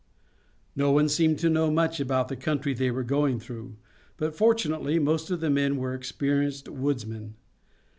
No one seemed to know much about the country they were going through, but fortunately most of the men were experienced woodsmen.